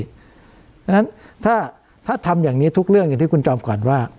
เพราะฉะนั้นถ้าทำอย่างนี้ทุกเรื่องอย่างที่คุณจอมขวัญว่า